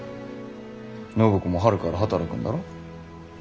暢子も春から働くんだろ？